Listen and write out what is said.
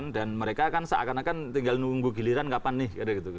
dan mereka kan seakan akan tinggal nunggu giliran kapan nih